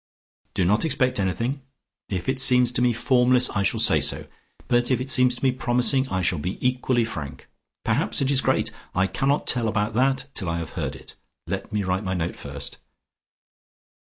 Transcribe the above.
Do not expect anything; if it seems to me formless, I shall say so. But if it seems to me promising, I shall be equally frank. Perhaps it is great; I cannot tell you about that till I have heard it. Let me write my note first."